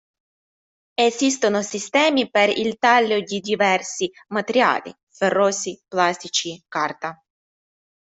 Esistono sistemi per il taglio di diversi materiali, ferrosi, plastici, carta.